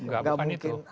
gak gak bukan itu